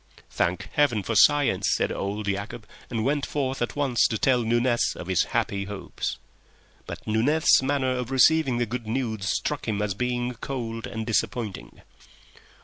"Thank Heaven for science!" said old Yacob, and went forth at once to tell Nunez of his happy hopes. But Nunez's manner of receiving the good news struck him as being cold and disappointing.